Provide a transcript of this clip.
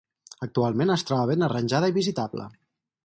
Actualment es troba ben arranjada i visitable.